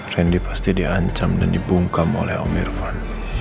rendy pasti diancam dan dibungkam oleh om irvan